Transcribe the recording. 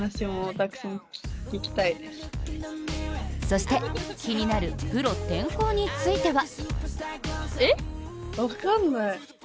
そして、気になるプロ転向については？